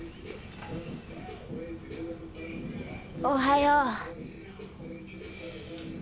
おはよう。